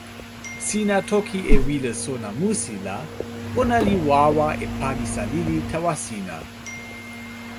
sina toki e wile sona musi la, ona li wawa e palisa lili tawa sina.